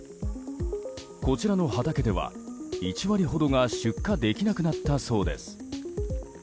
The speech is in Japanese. こちらの畑では、１割ほどが出荷できなくなったそうです。